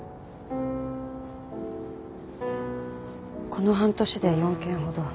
この半年で４件ほど。